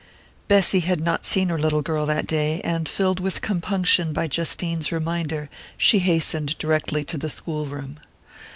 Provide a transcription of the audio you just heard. XVII BESSY had not seen her little girl that day, and filled with compunction by Justine's reminder, she hastened directly to the school room.